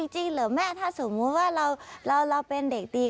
จริงเหรอแม่ถ้าสมมุติว่าเราเป็นเด็กดี